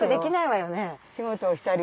仕事をしたり。